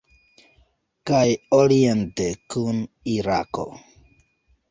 Kaj oriente kun Irako.